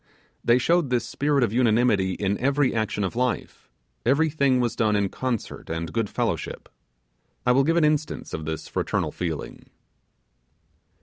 They showed this spirit of unanimity in every action of life; everything was done in concert and good fellowship. I will give an instance of this fraternal feeling.